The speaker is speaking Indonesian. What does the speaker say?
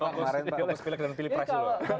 fokus pilek dan pilih pres dulu